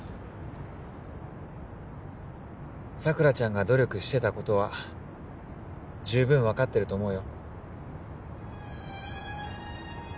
佐倉ちゃんが努力してたことは十分分かってると思うよ